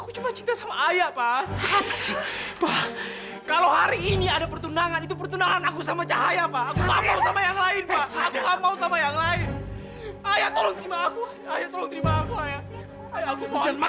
sampai jumpa di video selanjutnya